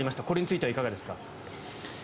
これについてはいかがですか？